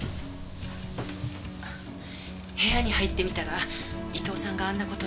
部屋に入ってみたら伊東さんがあんな事に。